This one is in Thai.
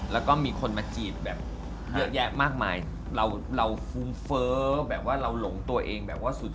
แล้วก็มีคนมาจีบแบบเยอะแยะมากมายเราฟูมเฟ้อแบบว่าเราหลงตัวเองแบบว่าสุด